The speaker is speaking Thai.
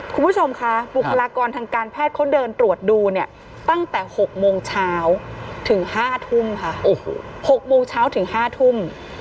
คุณผู้ชมค่ะบุคลากรทางการแพทย์เขาเดินตรวจดูเนี่ยตั้งแต่๖โมงเช้าถึง๕ทุ่มค่ะ๖โมงเช้าถึง๕ทุ่ม